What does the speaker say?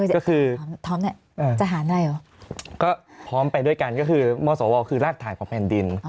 ก็คือพร้อมไปด้วยกันก็คือมสวคือรากฐานของแผ่นดิน